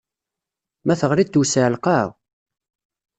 Ma teɣliḍ tewseɛ lqaɛa.